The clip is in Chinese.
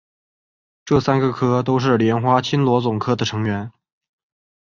这三个科都是莲花青螺总科的成员。